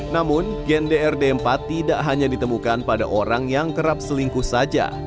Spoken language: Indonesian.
namun gen drd empat tidak hanya ditemukan pada orang yang kerap selingkuh saja